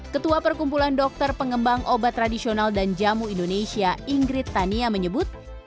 ketua perkumpulan dokter pengembang obat tradisional dan jamu indonesia ingrid tania menyebut